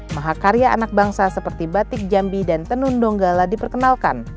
mahakarya anak bangsa seperti batik jambi dan tenun donggala diperkenalkan